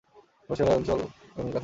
ফরাসিরা এই অঞ্চল ত্যাগ করে।